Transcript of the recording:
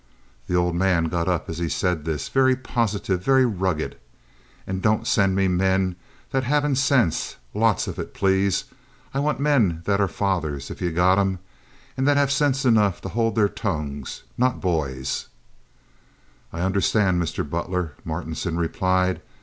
The old man got up as he said this, very positive, very rugged. "And don't send me men that haven't sinse—lots of it, plase. I want men that are fathers, if you've got 'em—and that have sinse enough to hold their tongues—not b'ys." "I understand, Mr. Butler," Martinson replied.